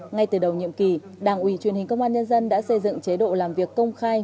ngay từ đầu nhiệm kỳ đảng ủy truyền hình công an nhân dân đã xây dựng chế độ làm việc công khai